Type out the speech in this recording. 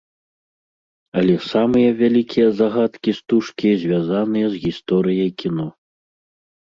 Але самыя вялікія загадкі стужкі звязаныя з гісторыяй кіно.